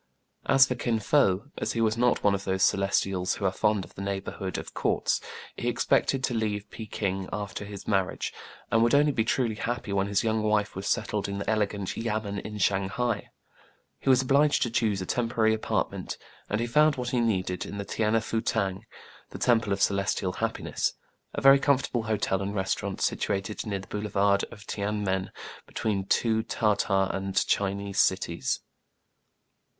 As for Kin Fo, as he was not one of those Celestials who are fond of the nefghborhood of courts, he expected to leave Pekin after his mar riage, and would only be truly happy when his young wife was settled in the elegant yamen in Shang hai. He was obliged to choose a temporary apart ment ; and he found what he needed in the Tiene A SURPRISE FOR KIN FO, 1 67 Fou Tang, the Temple of Celestial Happiness, — a very comfortable hotel and restaurant, situated near the boulevard of Tiene Men between two Tartar and Chinese cities.